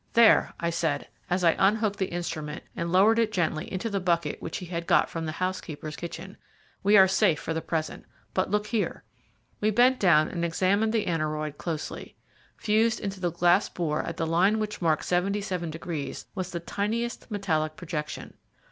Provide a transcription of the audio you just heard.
"There," I said, as I unhooked the instrument and lowered it gently into the bucket which he had got from the housekeeper's kitchen, "we are safe for the present. But look here." We bent down and examined the aneroid closely. Fused into the glass bore at the line which marked seventy seven degrees was the tiniest metallic projection.